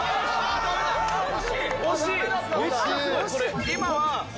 惜しい。